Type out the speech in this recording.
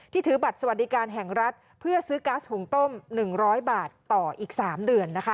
ถือบัตรสวัสดิการแห่งรัฐเพื่อซื้อก๊าซหุงต้ม๑๐๐บาทต่ออีก๓เดือนนะคะ